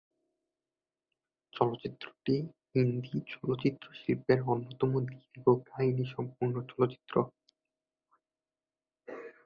চলচ্চিত্রটি হিন্দি চলচ্চিত্র শিল্পের অন্যতম দীর্ঘ কাহিনী সম্পন্ন চলচ্চিত্র।